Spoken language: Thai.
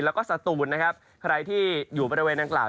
แล้วก็สตูนนะครับใครที่อยู่บริเวณดังกล่าว